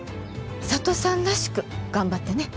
佐都さんらしく頑張ってね。